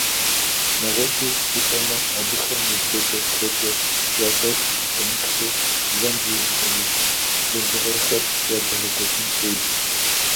Нэгъуэщӏу жыпӏэмэ, абыхэм еджэкӏэ-тхэкӏэ ящӏэху упэмыплъэу, бзэм зезыгъэужь лэжьыгъэхэр ядегъэкӏуэкӏын хуейщ.